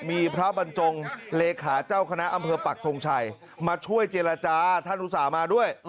มีพระบรรจงเลขาเจ้าคณะอำเภอปักทงชัยมาช่วยเจรจาท่านอุตส่าห์มาด้วย